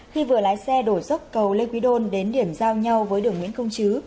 khi vừa lái xe đổ dốc cầu lê quý đôn đến điểm giao nhau với đường nguyễn công chứ